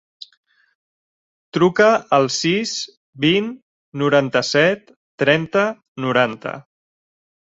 Truca al sis, vint, noranta-set, trenta, noranta.